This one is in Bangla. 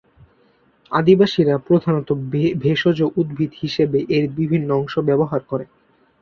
আদিবাসীরা প্রধানত ভেষজ উদ্ভিদ হিসেবে এর বিভিন্ন অংশ ব্যবহার করে।